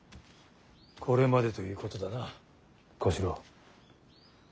これまでということだな小四郎。